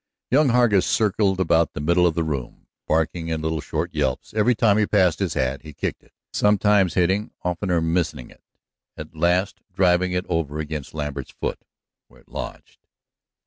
Young Hargus circled about in the middle of the room, barking in little short yelps. Every time he passed his hat he kicked at it, sometimes hitting, oftener missing it, at last driving it over against Lambert's foot, where it lodged.